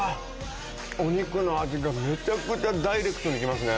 お肉の味がめちゃくちゃダイレクトに来ますね。